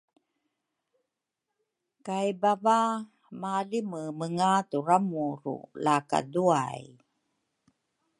kay bava malimemenga turamuru la kaduay.